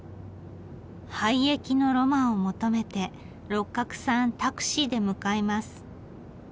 廃駅のロマンを求めて六角さんタクシーで向かいます。